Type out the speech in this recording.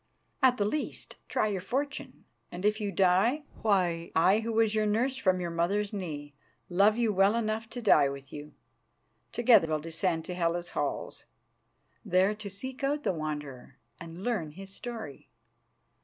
At the least, try your fortune, and if you die why, I who was your nurse from your mother's knee, love you well enough to die with you. Together we'll descend to Hela's halls, there to seek out the Wanderer and learn his story."